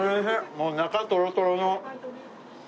もう中トロトロの。